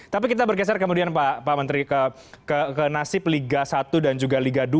tapi kita bergeser kemudian pak menteri ke nasib liga satu dan juga liga dua